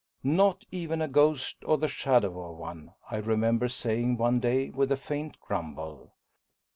"Not even a ghost, or the shadow of one," I remember saying one day with a faint grumble.